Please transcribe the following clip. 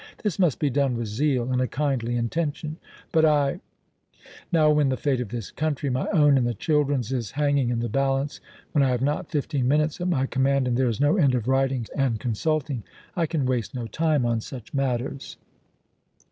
This must be done with zeal and a kindly intention But I Now, when the fate of this country, my own, and the children's is hanging in the balance, when I have not fifteen minutes at my command, and there is no end of writing and consulting, I can waste no time on such matters."